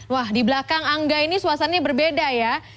wah di belakang angga ini suasananya berbeda ya